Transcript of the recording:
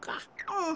うん。